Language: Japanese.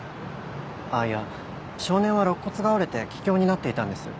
あいや少年は肋骨が折れて気胸になっていたんです。